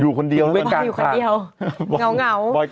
อยู่คนเดียวบอยร์คือคนเดียว